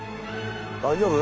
大丈夫？